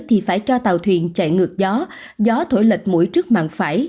thì phải cho tàu thuyền chạy ngược gió gió thổi lệch mũi trước màng phải